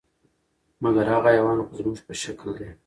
مګر هغه حیوان خو زموږ په شکل دی،